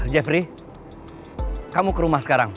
jeffrey kamu ke rumah sekarang